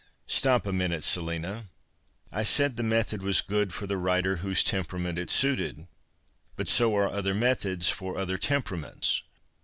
" Stop a minute, Selina. I said the method was good for the writer whose temperament it suited. But so are other methods for other temperaments.